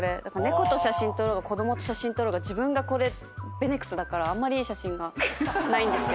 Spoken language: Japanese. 猫と写真撮ろうが子供と写真撮ろうが自分がこれＶＥＮＥＸだからあんまりいい写真がないんです。